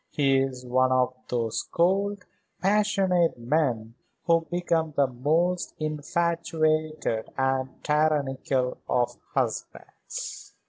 He is one of those cold, passionate men who become the most infatuated and tyrannical of husbands."